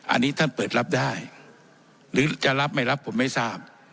อันนี้ท่านเปิดรับได้หรือจะรับไม่รับผมไม่ทราบ